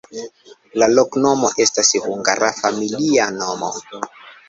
La loknomo estas hungara familia nomo.